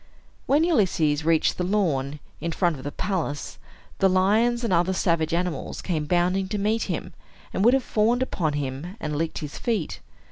When Ulysses reached the lawn, in front of the palace, the lions and other savage animals came bounding to meet him, and would have fawned upon him and licked his feet.